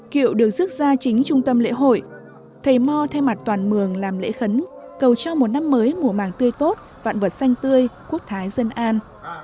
kiệu được rước ra chính trung tâm lễ hội thầy mò theo mặt toàn mường làm lễ khấn cầu cho một năm mới mùa màng tươi tốt vạn vật xanh tươi quốc thái dân an